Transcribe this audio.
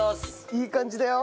いい感じだよ。